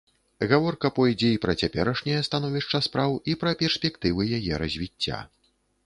Гаворка пойдзе і пра цяперашняе становішча спраў, і пра перспектывы яе развіцця.